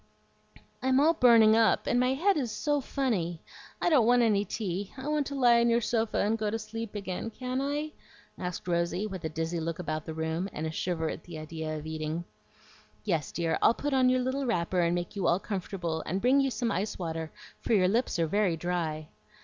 "I'm all burning up, and my head is SO funny. I don't want any tea. I want to lie on your sofa and go to sleep again. Can I?" asked Rosy, with a dizzy look about the room, and a shiver at the idea of eating. "Yes, dear, I'll put on your little wrapper, and make you all comfortable, and bring you some ice water, for your lips are very dry."